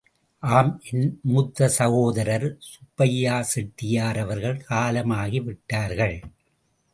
ஆம் என் மூத்த சகோதரர் சுப்பையாசெட்டியார் அவர்கள் காலமாகிவிட்டார்கள்.